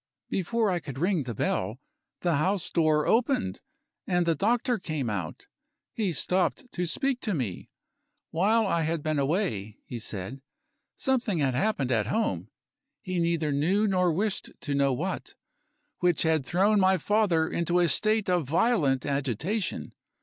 Before I could ring the bell, the house door opened, and the doctor came out. He stopped to speak to me. While I had been away (he said), something had happened at home (he neither knew nor wished to know what) which had thrown my father into a state of violent agitation.